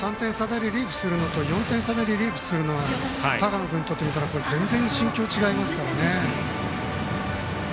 ３点差でリリーフするのと４点差でリリーフするのは高野君にとってみたら全然、心境違いますからね。